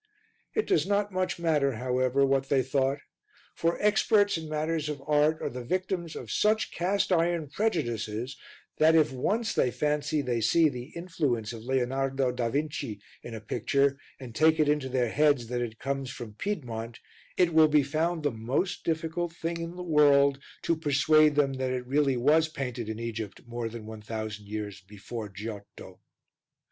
It does not much matter, however, what they thought, for experts in matters of art are the victims of such cast iron prejudices that if once they fancy they see the influence of Leonardo da Vinci in a picture and take it into their heads that it comes from Piedmont, it will be found the most difficult thing in the world to persuade them that it really was painted in Egypt more than 1000 years before Giotto.